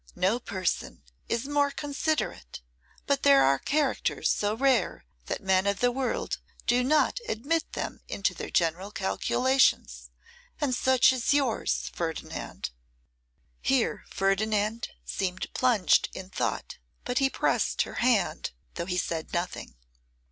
No person is more considerate. But there are characters so rare, that men of the world do not admit them into their general calculations, and such is yours, Ferdinand.' Here Ferdinand seemed plunged in thought, but he pressed her hand, though he said nothing.